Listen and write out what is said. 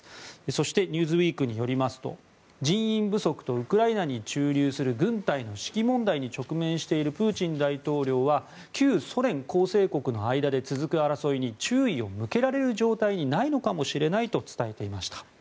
そして「ニューズウィーク」によりますと人員不足とウクライナに駐留する軍隊の士気問題に直面しているプーチン大統領は旧ソ連構成国の間で続く争いに注意を向けられる状態になるのかもしれないと伝えていました。